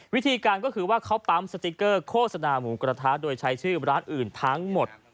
วิธีการก็คือว่าเขาปั๊มสติ๊กเกอร์โฆษณาหมูกระทะโดยใช้ชื่อร้านอื่นทั้งหมด